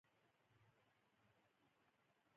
د خوړو او درملو اداره کیفیت ګوري